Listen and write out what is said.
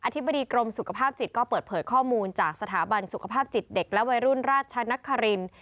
ธิบดีกรมสุขภาพจิตก็เปิดเผยข้อมูลจากสถาบันสุขภาพจิตเด็กและวัยรุ่นราชนคริน